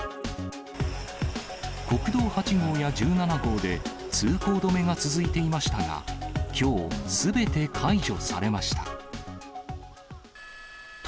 国道８号や１７号で、通行止めが続いていましたが、きょう、すべて解除されました。